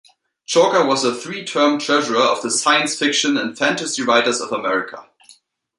Chalker was a three-term treasurer of the Science Fiction and Fantasy Writers of America.